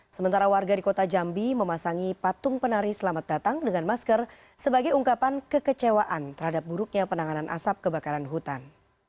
sementara warga di kota jambi memasangi patung penari selamat datang dengan masker sebagai ungkapan kekecewaan terhadap buruknya penanganan asap kebakaran hutan